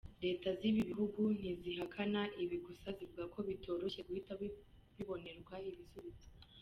Leta z’ibi bihugu ntizihakana ibi gusa zivuga ko bitoroshye guhita bibonerwa ibisubizo.